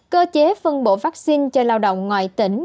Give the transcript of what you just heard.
cơ chế phân bổ vaccine cho lao động ngoài tỉnh